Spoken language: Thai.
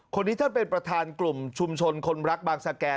คนนี้ท่านเป็นประธานกลุ่มชุมชนคนรักบางสแกน